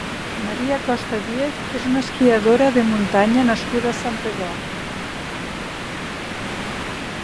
Maria Costa Diez és una esquiadora de muntanya nascuda a Santpedor.